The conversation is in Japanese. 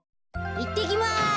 いってきます。